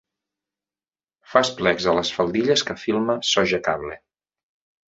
Fas plecs a les faldilles que filma Sogecable.